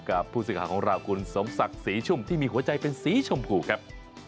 กับผู้สื่อข่าวของเราคุณสมศักดิ์ศรีชุ่มที่มีหัวใจเป็นสีชมพูครับ